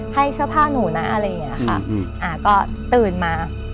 ให้เสื้อผ้าหนูนะอะไรอย่างเงี้ยค่ะอ่าก็ตื่นมา